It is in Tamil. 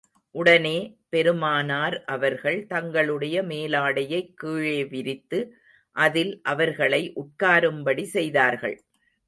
உடனே பெருமானார் அவர்கள், தங்களுடைய மேலாடையைக் கீழே விரித்து, அதில் அவர்களை உட்காரும்படி செய்தார்கள்.